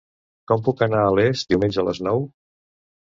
Com puc anar a Les diumenge a les nou?